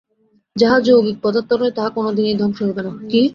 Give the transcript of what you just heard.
যাহা যৌগিক পদার্থ নয়, তাহা কোন দিনই ধ্বংস হইবে না।